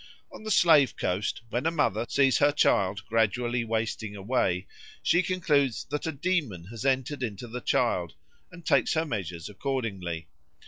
On the Slave Coast when a mother sees her child gradually wasting away, she concludes that a demon has entered into the child, and takes her measures accordingly.